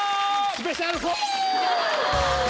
スペシャルフォ！